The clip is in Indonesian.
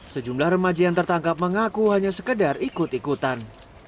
sejumlah remaja yang tertangkap mengaku hanya sekedar ikut ikutan